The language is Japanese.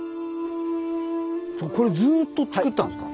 これずっとつくったんですか？